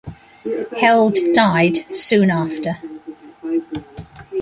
Held died soon after.